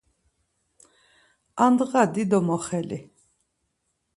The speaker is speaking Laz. Andğa dido moxeli.